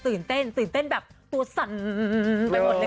ตื่นเต้นตื่นเต้นแบบตัวสั่นไปหมดเลย